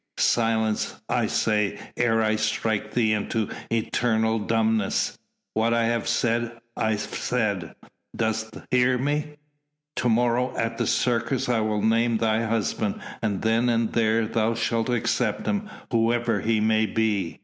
"Silence, I say! ere I strike thee into eternal dumbness. What I have said, I've said. Dost hear me? To morrow, at the Circus, I will name thy husband, and then and there thou shalt accept him, whoever he may be.